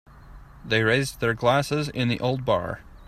They raised their glasses in the old bar.